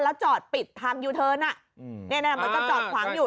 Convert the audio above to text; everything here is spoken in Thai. แล้วจอดปิดทำอ่ะแน่น่ะเหมือนกับจอดควังอยู่